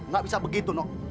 gak bisa begitu nob